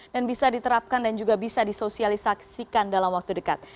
dan bisa diterapkan dan juga bisa disosialisasikan dalam waktu dekat